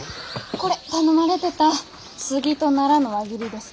これ頼まれてたスギとナラの輪切りです。